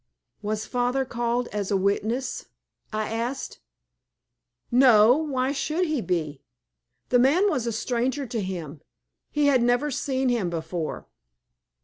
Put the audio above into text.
"Was father called as a witness?" I asked. "No. Why should he be? The man was a stranger to him. He had never seen him before."